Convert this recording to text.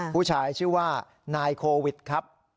ผู้ชายชื่อว่านายโควิดครับ